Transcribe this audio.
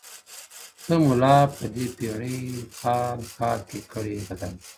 • ته مُلا په دې پېړۍ قال ـ قال کي کړې بدل.